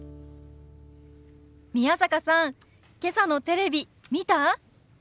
宮坂さんけさのテレビ見た？